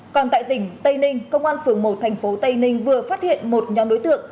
còn tại tỉnh tây ninh công an phường một thành phố tây ninh vừa phát hiện một nhóm đối tượng